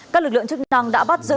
các lực lượng chức năng đã bắt giữ